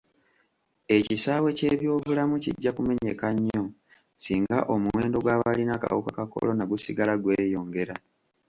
Ekisaawe ky'ebyobulamu kijja kumenyeka nnyo singa omuwendo gw'abalina akawuka ka kolona gusigala gweyongera.